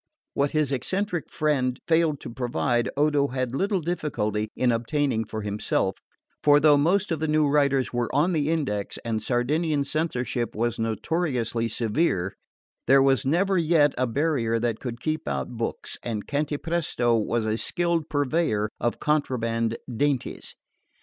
What his eccentric friend failed to provide, Odo had little difficulty in obtaining for himself; for though most of the new writers were on the Index, and the Sardinian censorship was notoriously severe, there was never yet a barrier that could keep out books, and Cantapresto was a skilled purveyor of contraband dainties.